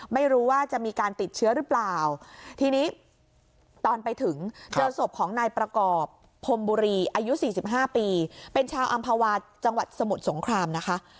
ไปถึงเจ้าศพของนายประกอบพรมบุรีอายุ๔๕ปีเป็นชาวอำภาวะจังหวัดสมุทรสงครามนะคะ